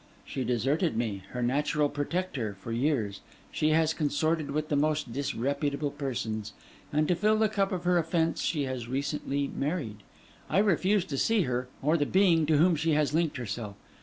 She deserted me, her natural protector; for years, she has consorted with the most disreputable persons; and to fill the cup of her offence, she has recently married. I refuse to see her, or the being to whom she has linked herself.